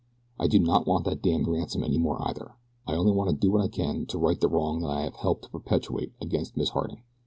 I do not want that damned ransom any more, either. I only want to do what I can to right the wrong that I have helped to perpetrate against Miss Harding.